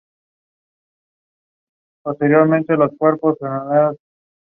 They were required in the early days to tithe to the Church of England.